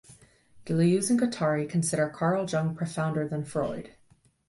Deleuze and Guattari consider Carl Jung "profounder than Freud".